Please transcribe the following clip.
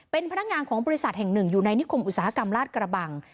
เป็นพนักงานของบริษัทแห่งหนึ่งอยู่ในนิคมอุตสาหกรรมลาดกระบัง